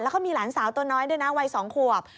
แล้วก็มีหลานสาวตัวน้อยด้วยนะวัย๒ขวบ